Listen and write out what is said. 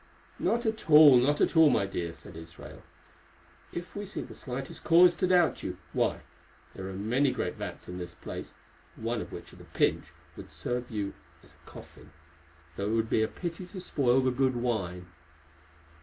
"Not at all, not at all, my dear," said Israel. "If we see the slightest cause to doubt you, why, there are many great vats in this place, one of which, at a pinch, would serve you as a coffin, though it would be a pity to spoil the good wine."